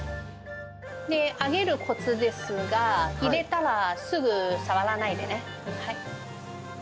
揚げるこつですが、入れたらすぐ触らないでね。ＯＫ。